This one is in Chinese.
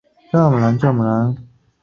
对该反应的机理有很多研究。